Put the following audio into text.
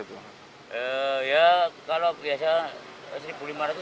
itu berapa mas berapa rupiah itu